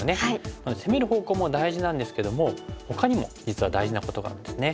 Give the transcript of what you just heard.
なので攻める方向も大事なんですけどもほかにも実は大事なことがあるんですね。